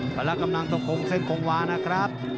ภาระกำหนังเท่าของเซ็นโคงวานะครับ